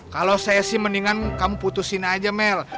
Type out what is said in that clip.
kalau saya sih mendingan kamu putusin aja mel